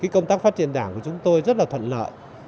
công tác phát triển đảng của chúng tôi rất là thuận lợi